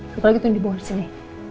satu lagi yang dibawa ke sini